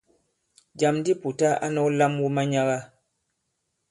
Jàm di Pùta a nɔ̄k lam wu manyaga.